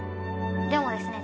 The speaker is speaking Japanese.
でもですね